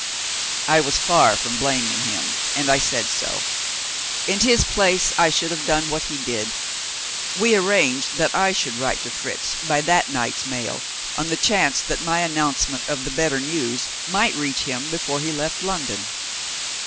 I was far from blaming him and I said so. In his place I should have done what he did. We arranged that I should write to Fritz by that night's mail, on the chance that my announcement of the better news might reach him before he left London.